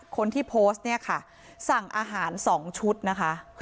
คนที่โพสต์เนี่ยค่ะสั่งอาหาร๒ชุดนะคะ